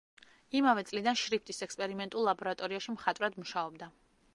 იმავე წლიდან შრიფტის ექსპერიმენტულ ლაბორატორიაში მხატვრად მუშაობდა.